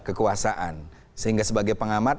kekuasaan sehingga sebagai pengamat